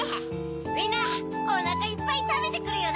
みんなおなかいっぱいたべてくれよな！